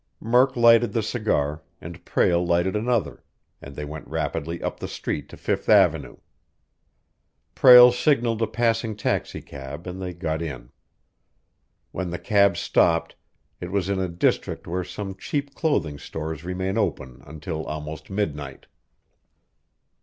Murk lighted the cigar, and Prale lighted another, and they went rapidly up the street to Fifth Avenue. Prale signaled a passing taxicab, and they got in. When the cab stopped, it was in a district where some cheap clothing stores remain open until almost midnight.